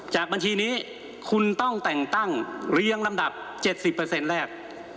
บัญชีนี้คุณต้องแต่งตั้งเรียงลำดับ๗๐แรก